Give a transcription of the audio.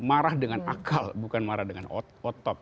marah dengan akal bukan marah dengan otot